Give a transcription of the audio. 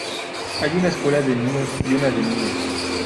Hay una escuela de niños y una de niñas.